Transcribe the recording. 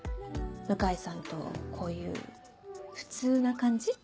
向井さんとこういう普通な感じ。